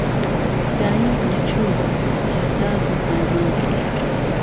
داييم له چۆلی هەر داد و ئامان